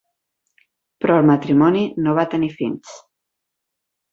Però el matrimoni no va tenir fills.